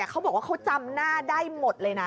เขาบอกว่าเขาจำหน้าได้หมดเลยนะ